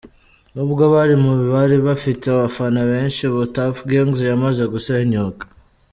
Nubwo bari mu bari bafite abafana benshi ubu Tuff Gangz yamaze gusenyuka.